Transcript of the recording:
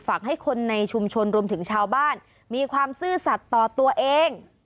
ให้คนในชุมชนรวมถึงชาวบ้านมีความซื่อสัตว์ต่อตัวเอง